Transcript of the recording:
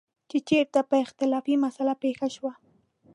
چې چېرته به اختلافي مسله پېښه شوه.